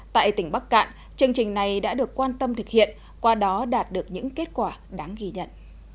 tại tỉnh bắc cạn chương trình này đã được quan tâm thực hiện qua đó đạt được những kết quả đáng ghi nhận